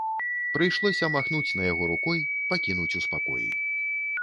Прыйшлося махнуць на яго рукой, пакінуць у спакоі.